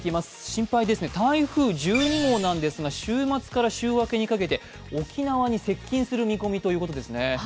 心配ですね、台風１２号ですが週末から週明けにかけて、沖縄に接近する見込みということですね。